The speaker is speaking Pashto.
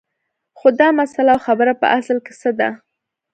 خو دا مسله او خبره په اصل کې څه ده